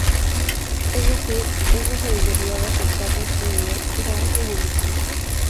Es decir, es la sabiduría de aceptar nuestro nivel real evolutivo.